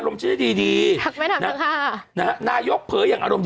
มันหมด